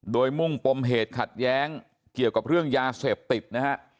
โดยมุ่งปมเหตุขัดแย้งเกี่ยวกับเรื่องยาเสพติดนะฮะ